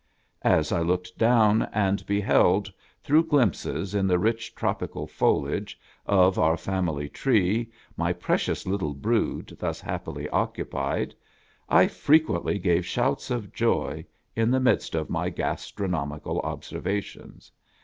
As I looked down, and beheld through glimpses in the rich tropical foliage of our Family Tree my precious little brood thus happily occupied, I fre quently gave shouts of joy, in the midst of my gastro nomical observations.